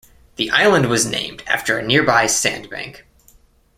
The island was named after a nearby sand bank.